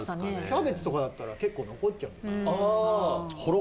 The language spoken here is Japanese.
キャベツとかだったら結構残っちゃうんじゃない？